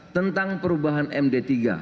tentang perubahan md tiga